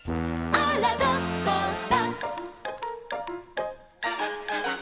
「あらどこだ」